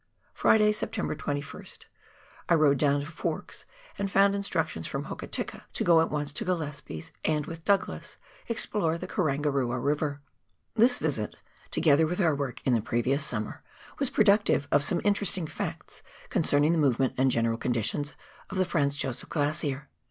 Friday, September 21st. — I rode down to Forks, and found instructions from Hokitika, to go at once to Gillespies, and, with Douglas, explore the Karangarua River. * See Appendix, Note VII. THE FEANZ JOSEF GLACIER. 165 This visit, together with our work in the previous summer, was productive of some interesting facts concerning the move ment and general condition of the Franz Josef Glacier.